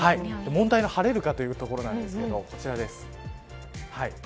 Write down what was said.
問題は晴れるか、というところなんですけどこちらです。